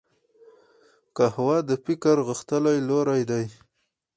قهوه د فکر غښتلي لوری دی